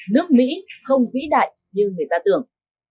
nước mỹ không vĩ đại như người ta tưởng